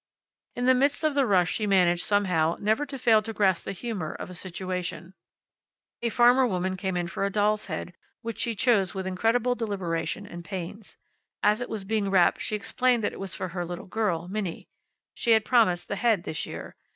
In the midst of the rush she managed, somehow, never to fail to grasp the humor of a situation. A farmer woman came in for a doll's head, which she chose with incredible deliberation and pains. As it was being wrapped she explained that it was for her little girl, Minnie. She had promised the head this year.